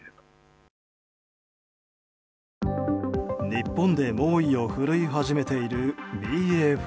日本で猛威を振るい始めているＢＡ．５。